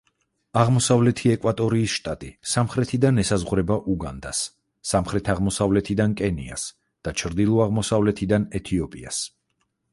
აღმოსავლეთი ეკვატორიის შტატი სამხრეთიდან ესაზღვრება უგანდას, სამხრეთ-აღმოსავლეთიდან კენიას და ჩრდილო-აღმოსავლეთიდან ეთიოპიას.